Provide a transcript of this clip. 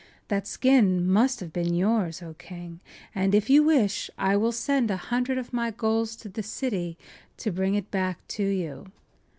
That skin must have been yours, oh king, and if you wish I will sent an hundred of my gulls to the city to bring it back to you.